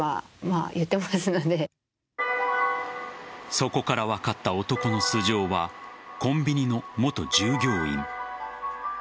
そこから分かった男の素性はコンビニの元従業員。